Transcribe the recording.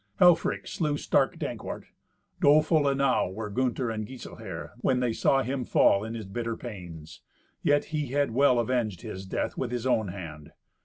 Helfrich slew stark Dankwart. Doleful enow were Gunther and Giselher when they saw him fall in his bitter pains. Yet he had well avenged his death with his own hand.